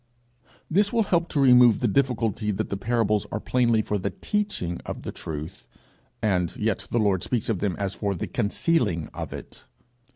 This will help to remove the difficulty that the parables are plainly for the teaching of the truth, and yet the Lord speaks of them as for the concealing of it.